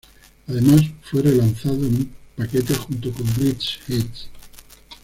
Además, fue re-lanzado en un paquete junto con Greatest Hits.